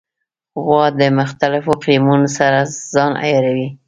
غوا د مختلفو اقلیمونو سره ځان عیاروي.